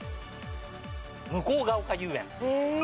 向ヶ丘遊園。